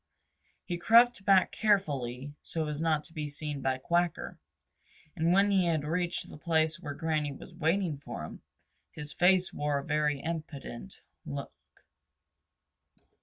He crept back carefully so as not to be seen by Quacker, and when he had reached the place where Granny was waiting for him, his face wore a very impudent look.